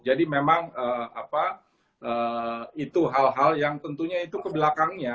jadi memang itu hal hal yang tentunya itu kebelakangnya